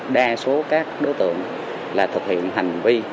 đa số các đối tượng là thực hiện hành vi